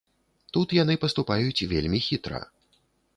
Тут яны паступаюць вельмі хітра.